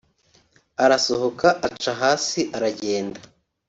arasohoka aca hasi aragenda